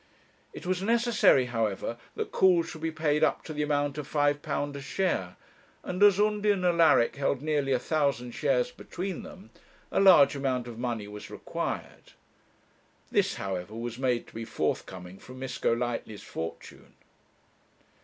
It was necessary, however, that calls should be paid up to the amount of £5 a share, and as Undy and Alaric held nearly a thousand shares between them, a large amount of money was required. This, however, was made to be forthcoming from Miss Golightly's fortune.